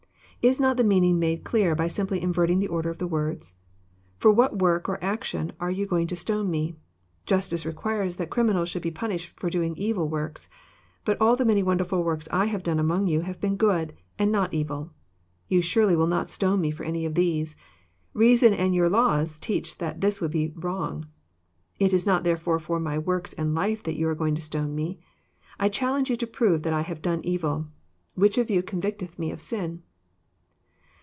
Is not the meaning made clear by simply Inverting the order of words? "Forj^hat work or action are yon going to stone Me ? Justice requires that crimi nals should be punished for doing evil works ; but all the many wonderful works I have done among you have been good, and not evil. You surely will not stone me for any of these ; reason and your laws teach that this would be wrong. It is not there fore for my works and life that you are going to stone Me. I challenge you to prove that I have done evil. Which of you convicteth Me of sin